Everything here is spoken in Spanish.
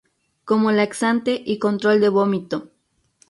Como laxante y control de vómito.